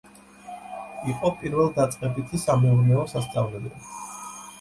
იყო პირველდაწყებითი სამეურნეო სასწავლებელი.